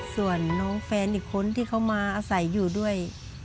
ส่วนน้องแฟนอีกคนที่เขามาอาศัยอยู่ด้วย